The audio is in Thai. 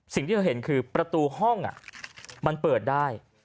สิ่งที่เราเห็นคือประตูห้องมันเปิดได้